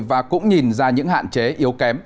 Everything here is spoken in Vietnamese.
và cũng nhìn ra những hạn chế yếu kém